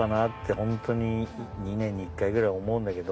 本当に年に１回ぐらい思うんだけど。